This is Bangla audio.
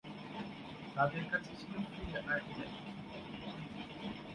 তাদের কাছে ছিল ফিল্ড আর্টিলারি।